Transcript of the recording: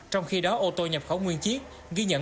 trong khi đó ô tô nhập khẩu nguyên chiếc ghi nhận